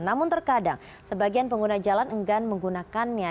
namun terkadang sebagian pengguna jalan enggan menggunakannya